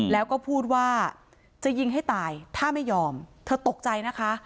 แล้วก็พูดว่าจะยิงให้ตายถ้าไม่ยอมเธอตกใจนะคะ